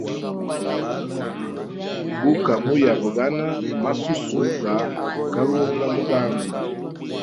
Guka muyabagana masusu ga kalunga muganza.